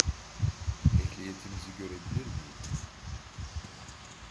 Ehliyetinizi görebilir miyim?